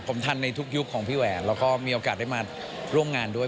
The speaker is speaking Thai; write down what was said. ผมทันในทุกยุคของพี่แหวนแล้วก็มีโอกาสได้มาร่วมงานด้วย